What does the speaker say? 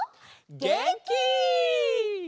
げんき！